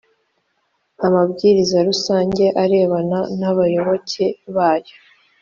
amabwiriza rusange arebana n’abayoboke bayo